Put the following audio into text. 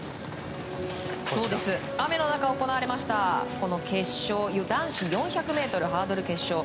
雨の中行われました男子４００ｍハードル決勝。